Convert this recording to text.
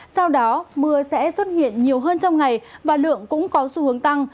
sau đó mưa sẽ xuất hiện nhiều hơn trong ngày và lượng cũng có xu hướng tăng